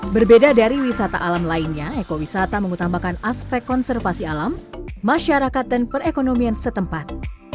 berbeda dari wisata alam lainnya ekowisata mengutamakan aspek konservasi alam masyarakat dan perekonomian setempat